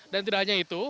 dan tidak hanya itu